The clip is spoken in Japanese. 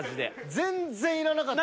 全然いらなかった。